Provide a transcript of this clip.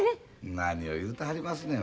何を言うてはりますねん。